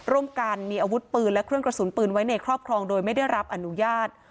ร่วมกันมีอาวุธปืนและเครื่องกระสุนปืนไว้ในครอบครองโดยไม่ได้รับอนุญาต